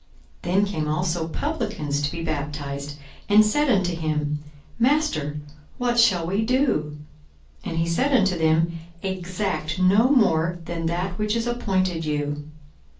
42:003:012 Then came also publicans to be baptized, and said unto him, Master, what shall we do? 42:003:013 And he said unto them, Exact no more than that which is appointed you.